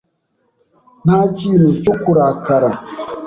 Nta kintu cyo kurakara.